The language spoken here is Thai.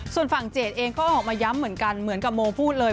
ส่วนฝั่งเจดเองก็ออกมาย้ำเหมือนกันเหมือนกับโมพูดเลย